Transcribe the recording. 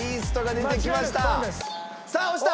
さあ押した！